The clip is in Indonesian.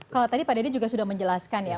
kalau tadi pak dede juga sudah menjelaskan ya